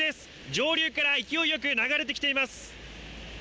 上流から勢いよく流れてきています。